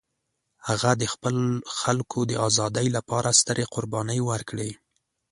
هغه د خپل خلکو د ازادۍ لپاره سترې قربانۍ ورکړې.